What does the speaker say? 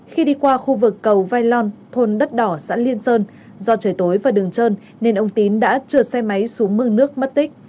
khi đi qua khu vực cầu vai lon thôn đất đỏ xã liên sơn do trời tối và đường trơn nên ông tín đã trượt xe máy xuống mương nước mất tích